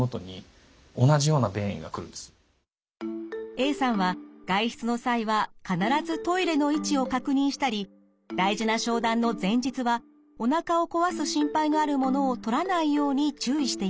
Ａさんは外出の際は必ずトイレの位置を確認したり大事な商談の前日はおなかをこわす心配があるものをとらないように注意しています。